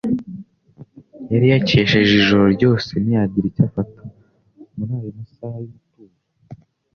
Yari yakesheje ijoro ryose ntiyagira icyo afata. Muri ayo masaha y'umutuzo,